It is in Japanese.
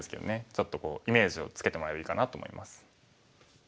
ちょっとイメージをつけてもらえればいいかなと思います。